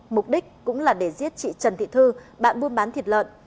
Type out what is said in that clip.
mục đích cũng là để giết chị trần thị thư bạn buôn bán thịt lợn